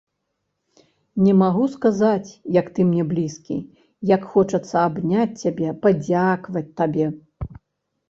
Не магу сказаць, як ты мне блізкі, як хочацца абняць цябе, падзякаваць табе.